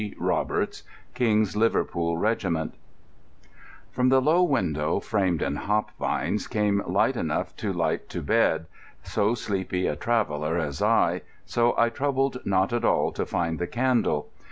Roberts King's (Liverpool) Regiment From the low window, framed in hop vines, came light enough to light to bed so sleepy a traveller as I, so I troubled not at all to find the candle.